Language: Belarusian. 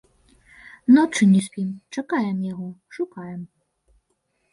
Ночы не спім, чакаем яго, шукаем.